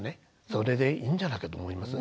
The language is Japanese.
それでいいんじゃないかと思います。